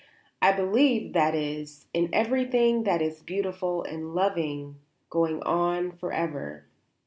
"I believe, that is, in everything that is beautiful and loving going on for ever."